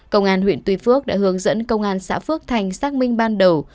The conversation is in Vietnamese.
công an huyện tuy phước đã hướng dẫn công an xã phước thành xác minh ban đầu